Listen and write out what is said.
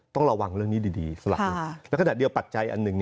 ต้องระวังเรื่องนี้ดีสลัดและขนาดเดียวปัจจัยอันหนึ่ง